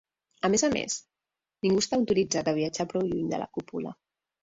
A més a més, ningú està autoritzat a viatjar prou lluny de la cúpula.